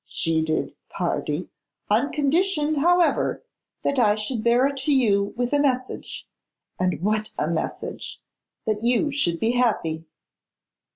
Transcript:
She did, pardy. On condition, however, that I should bear it to you, with a message; and what a message! that you should be happy.